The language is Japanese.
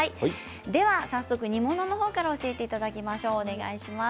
では早速、煮物のほうから教えていただきます。